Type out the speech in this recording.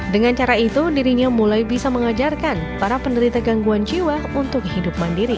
dengan cara itu dirinya mulai bisa mengajarkan para penderita gangguan jiwa untuk hidup mandiri